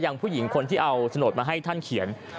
ผู้หญิงคนที่เอาโฉนดมาให้ท่านเขียน